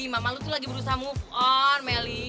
mama lu lagi berusaha move on meli